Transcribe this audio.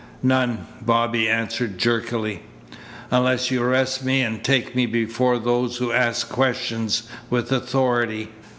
"None," Bobby answered jerkily, "unless you arrest me and take me before those who ask questions with authority."